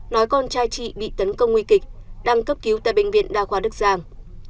nói con trai chị bị tấn công nguy kịch đang cấp cứu tại bệnh viện đao qua đức giang